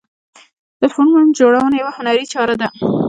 د فلمونو جوړونه یوه هنري چاره ده.